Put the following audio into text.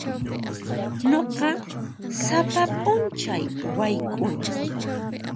Nuqa sapa p'unchay wayk'uni.